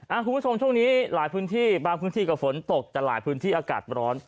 คุณผู้ชมช่วงนี้บางพื้นที่ก็ฝนตกแต่หลายพื้นที่อากาศร้อน